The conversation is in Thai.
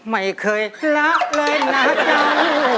ไม่เคยรักเลยนะเจ้า